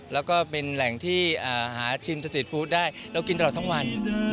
แล้วก็เป็นแหล่งที่หาชิมสตรีทฟู้ดได้เรากินตลอดทั้งวัน